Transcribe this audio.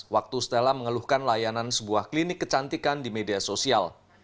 waktu stella mengeluhkan layanan sebuah klinik kecantikan di media sosial